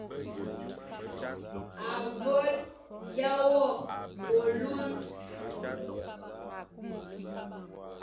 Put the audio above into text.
A vôl dia wôkh ôlun,